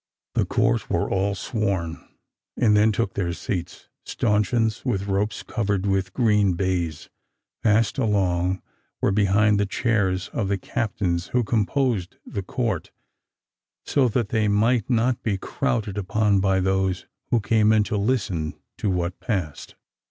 The court were all sworn, and then took their seats. Stauncheons, with ropes covered with green baize, passed along, were behind the chairs of the captains who composed the court, so that they might not be crowded upon by those who came in to listen to what passed.